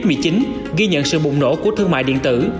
covid một mươi chín ghi nhận sự bụng nổ của thương mại điện tử